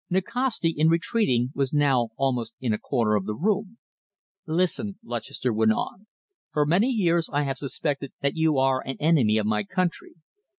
Nikasti, in retreating, was now almost in a corner of the room. "Listen," Lutchester went on, "for many years I have suspected that you are an enemy of my country.